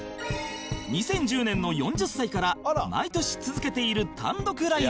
２０１０年の４０歳から毎年続けている単独ライブ